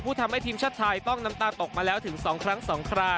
ทำให้ทีมชาติไทยต้องน้ำตาตกมาแล้วถึง๒ครั้ง๒ครา